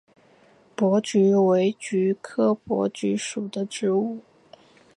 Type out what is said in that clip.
珀菊为菊科珀菊属的植物。